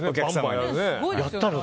やったの？